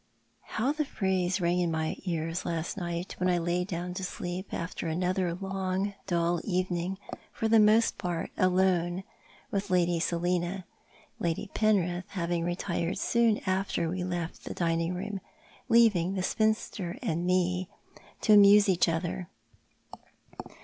How the phrase rang in my ears last night when I lay down to sleep, after another long, dull evening, for the most part alone with Lady Selina, Lady Penrith having retired soon after we left the dining room, leaving the spinster and me to amuse each other.